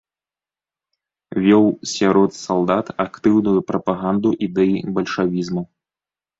Вёў сярод салдат актыўную прапаганду ідэй бальшавізму.